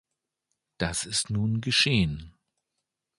Das ist nun geschehen.